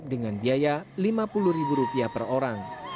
dengan biaya rp lima puluh per orang